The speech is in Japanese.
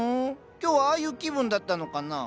今日はああいう気分だったのかなあ。